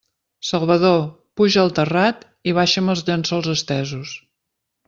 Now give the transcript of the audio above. Salvador, puja al terrat i baixa'm els llençols estesos!